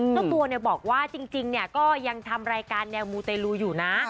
เจ้าตัวบอกว่าจริงเนี่ยก็ยังทำรายการแนวมูเตลูอยู่นะ